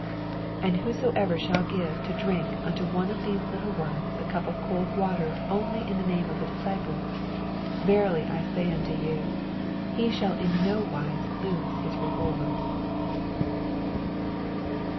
42 And whosoever shall give to drink unto one of these llttie ones a cup of cold waier only in the name of a disciple, verily I sa^ unto you, he shall in no wise lose ms reward.